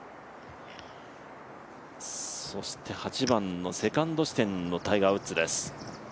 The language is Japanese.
そして８番のセカンド地点のタイガーです。